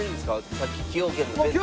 さっき崎陽軒の弁当。